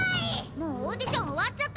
もうオーディションおわっちゃったわよ！